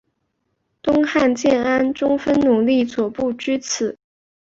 东汉建安中分匈奴左部居此。